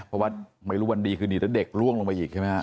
เพราะว่าไม่รู้วันดีคืนดีแล้วเด็กล่วงลงไปอีกใช่ไหมฮะ